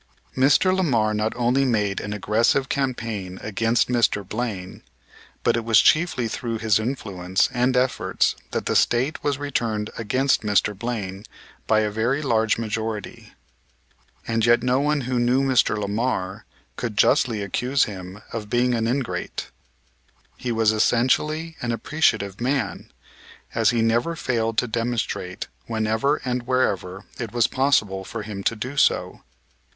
Mr. Lamar not only made an aggressive campaign against Mr. Blaine, but it was chiefly through his influence and efforts that the State was returned against Mr. Blaine by a very large majority. And yet no one who knew Mr. Lamar could justly accuse him of being an ingrate. He was essentially an appreciative man; as he never failed to demonstrate whenever and wherever it was possible for him to do so.